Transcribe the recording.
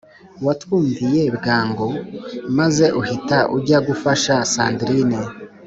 Watwumviye bwangu maze uhita ujya gufasha sandrine